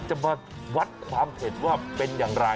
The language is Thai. จะมาวัดความเผ็ดว่าเป็นอย่างไร